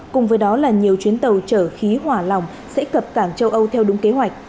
cùng với đó là nhiều chuyến tàu chở khí hỏa lòng sẽ cập cảng châu âu theo đúng kế hoạch